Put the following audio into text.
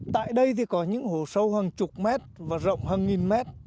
tại đây thì có những hố sâu hàng chục mét và rộng hàng nghìn mét